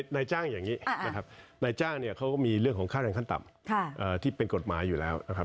นายจ้างอย่างนี้นะครับนายจ้างเนี่ยเขาก็มีเรื่องของค่าแรงขั้นต่ำที่เป็นกฎหมายอยู่แล้วนะครับ